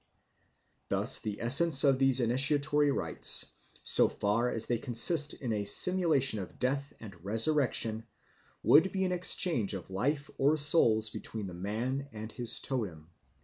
Thus the essence of these initiatory rites, so far as they consist in a simulation of death and resurrection, would be an exchange of life or souls between the man and his totem.